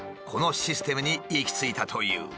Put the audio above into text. このシステムに行き着いたという。